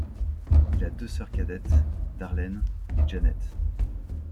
Il a deux sœurs cadettes, Darleen et Janet.